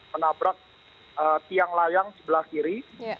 menabrak tiang layang sebelah kiri